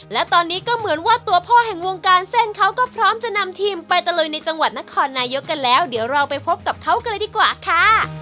และตอนนี้ก็เหมือนว่าตัวพ่อแห่งวงการเส้นเขาก็พร้อมจะนำทีมไปตะลุยในจังหวัดนครนายกกันแล้วเดี๋ยวเราไปพบกับเขากันเลยดีกว่าค่ะ